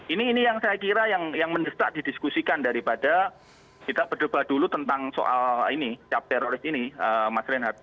ini yang saya kira yang mendesak didiskusikan daripada kita berdebat dulu tentang soal ini cap teroris ini mas reinhardt